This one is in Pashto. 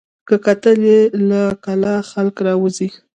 که کتل یې له کلا خلک راوزي